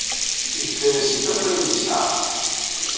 Yefka-yasent akk ayen yesɛa.